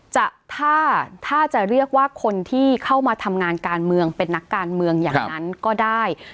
จะถ้าจะเรียกว่าคนที่เข้ามาทำงานการเมืองเป็นนักการเมืองอย่างนั้นก็ได้